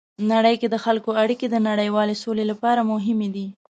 نړۍ کې د خلکو اړیکې د نړیوالې سولې لپاره مهمې دي.